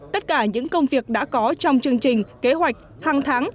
tất cả những công việc đã có trong chương trình kế hoạch hàng tháng